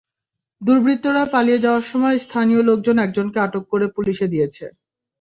দুর্বৃত্তরা পালিয়ে যাওয়ার সময় স্থানীয় লোকজন একজনকে আটক করে পুলিশে দিয়েছে।